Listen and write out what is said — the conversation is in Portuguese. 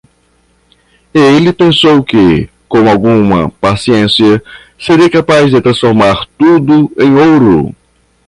Ele pensou que com alguma paciência seria capaz de transformar tudo em ouro.